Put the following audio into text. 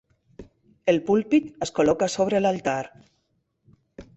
El púlpit es col·loca sobre l'altar.